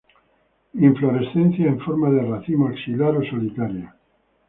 Inflorescencia en forma de racimo axilar o solitaria.